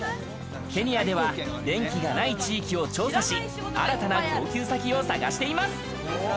ケニアでは電気がない地域を調査し、新たな供給先を探しています。